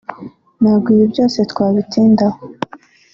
ntabwo ibi byose twabitindaho